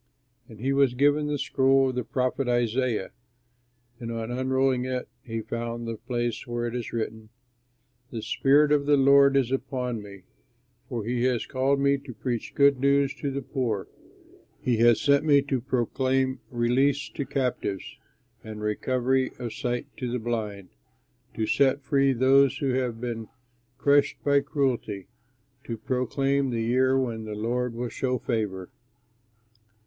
And he was given the scroll of the prophet Isaiah, and on unrolling it he found the place where it is written: "The Spirit of the Lord is upon me, For he has called me to preach good news to the poor, He has sent me to proclaim release to captives, And recovery of sight to the blind, To set free those who have been crushed by cruelty, To proclaim the year when the Lord will show favor."